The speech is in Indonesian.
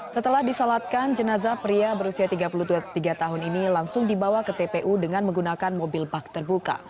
setelah disolatkan jenazah pria berusia tiga puluh tiga tahun ini langsung dibawa ke tpu dengan menggunakan mobil bak terbuka